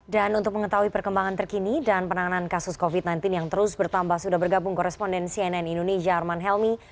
dan untuk mengetahui perkembangan terkini dan penanganan kasus covid sembilan belas yang terus bertambah sudah bergabung koresponden cnn indonesia arman helmi